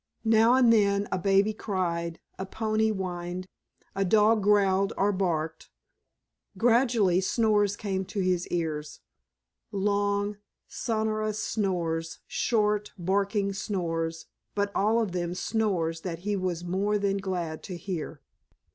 Now and then a baby cried, a pony whinnied, a dog growled or barked. Gradually snores came to his ears. Long, sonorous snores, short, barking snores, but all of them snores that he was more than glad to hear.